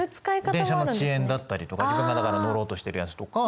電車の遅延だったりとか今から乗ろうとしてるやつとか。